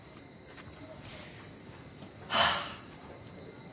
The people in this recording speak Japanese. はあ。